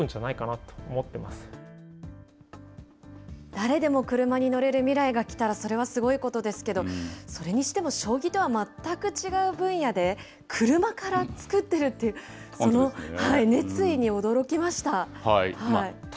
誰でも車に乗れる未来が来たら、それはすごいことですけど、それにしても、将棋とは全く違う分野で、車から作ってるって、その熱意に驚きました。